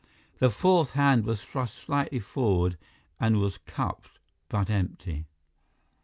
The fourth hand was thrust slightly forward and was cupped, but empty.